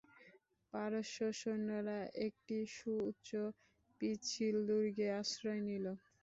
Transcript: পারস্য সৈন্যরা একটি সুউচ্চ পিচ্ছিল দূর্গে আশ্রয় নিল।